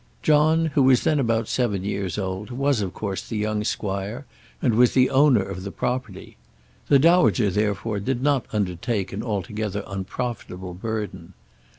John, who was then about seven years old, was of course the young squire, and was the owner of the property. The dowager, therefore, did not undertake an altogether unprofitable burden.